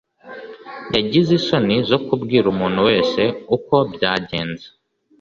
yagize isoni zo kubwira umuntu wese uko byagenze.